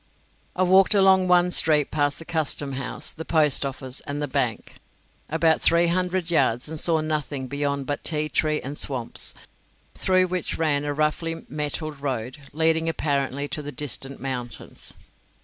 I walked along the one street past the custom house, the post office, and the bank, about three hundred yards and saw nothing beyond but tea tree and swamps, through which ran a roughly metalled road, leading apparently to the distant mountains.